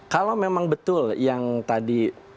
kalau memang betul yang tadi